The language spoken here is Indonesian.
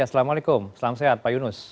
assalamualaikum selamat sehat pak yunus